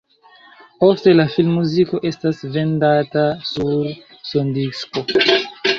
Ofte la filmmuziko estas vendata sur sondisko.